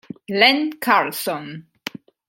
Len Carlson